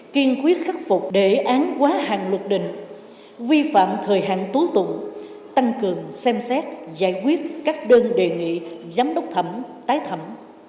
kiên quyết khắc phục đề án quá hàng luật đình vi phạm thời hạn tố tụng tăng cường xem xét giải quyết các đơn đề nghị giám đốc thẩm tái thẩm